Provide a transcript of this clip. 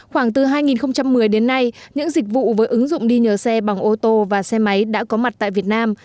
khoảng từ hai nghìn một mươi đến nay những dịch vụ với ứng dụng đi nhờ xe bằng ô tô và xe máy đã có mặt tại việt nam